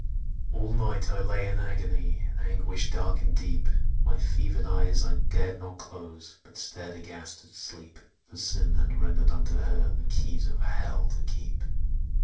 "All night I lay in agony, In anguish dark and deep, My fevered eyes I dared not close, But stared aghast at Sleep: For Sin had rendered unto her The keys of Hell to keep!